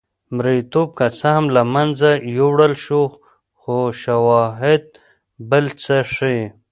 مریتوب که څه هم له منځه یووړل شو خو شواهد بل څه ښيي.